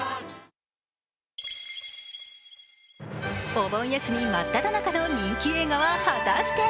お盆休み真っただ中の人気映画は果たして。